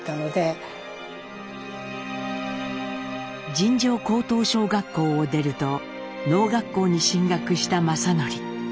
尋常高等小学校を出ると農学校に進学した正順。